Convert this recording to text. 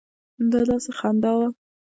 دا داسې خندا وه.